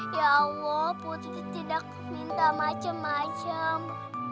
ya allah putri tidak minta macam macam